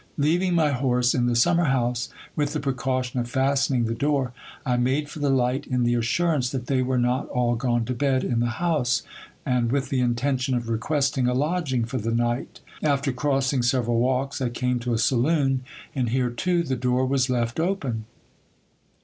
Leaving my horse in the summer house, with the precaution of fastening the door, I made for the light i n the assurance that they were not all gone to bed in the house, and with the intention of requesting a lodging for the night. After crossing several walks, I came to a saloon, and here too the door was le t open.